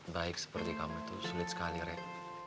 baik seperti kamu itu sulit sekali rek